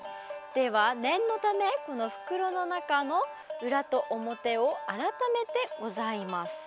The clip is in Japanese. では念のためこの袋の中の裏と表を改めてございます。